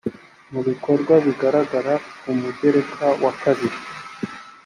mu bikorwa bigaragara ku mugereka wa kabiri